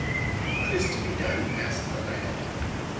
"What is to be done?" asked the lad.